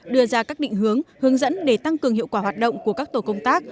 đưa ra các định hướng hướng dẫn để tăng cường hiệu quả hoạt động của các tổ công tác